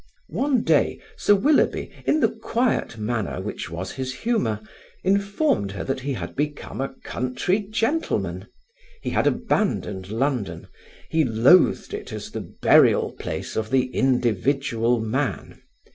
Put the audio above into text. One day Sir Willoughby, in the quiet manner which was his humour, informed her that he had become a country gentleman; he had abandoned London, he loathed it as the burial place of the individual man.